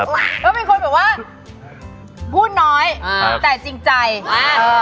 เขาเป็นคนแบบว่าพูดน้อยแต่จริงใจอ่า